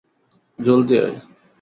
জলদি আয়।